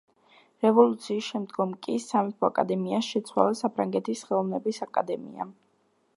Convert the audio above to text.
რევოლუციის შემდგომ კი სამეფო აკადემია შეცვალა საფრანგეთის ხელოვნების აკადემიამ.